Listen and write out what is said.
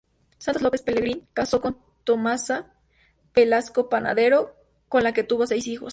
Santos López-Pelegrín casó con Tomasa Velasco Panadero, con la que tuvo seis hijos.